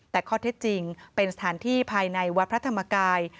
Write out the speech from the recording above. แต่ข้อเท็จจริงเป็นสถานที่ภายในวัดพระธรรมกาย